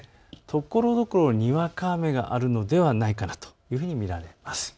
ところどころ、にわか雨があるのではないかと見られます。